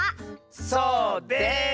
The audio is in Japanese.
そうです！